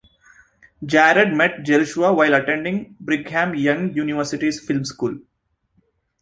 Jared met Jerusha while attending Brigham Young University's film school.